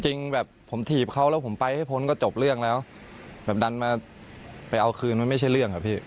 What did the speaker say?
จริงแบบผมถีบเขาแล้วผมไปให้พ้นก็จบเรื่องแล้วแบบดันมาไปเอาคืนมันไม่ใช่เรื่องครับพี่